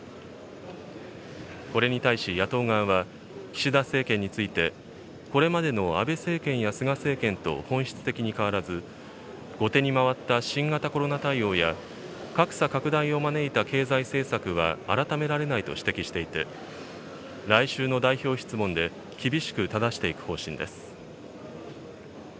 これに対し野党側は、岸田政権について、これまでの安倍政権や菅政権と本質的に変わらず、後手に回った新型コロナ対応や、格差拡大を招いた経済政策は改められないと指摘していて、来週の代表質問で厳しくただしていく方針です。